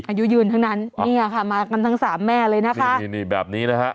อายุยืนทั้งนั้นเนี่ยค่ะมากันทั้งสามแม่เลยนะคะนี่นี่แบบนี้นะฮะ